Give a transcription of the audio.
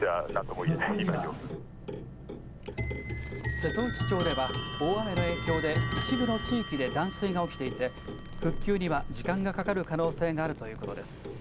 瀬戸内町では大雨の影響で一部の地域で断水が起きていて復旧には時間がかかる可能性があるということです。